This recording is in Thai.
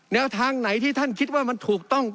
แนวทางไหนที่ท่านคิดว่ามันถูกต้อง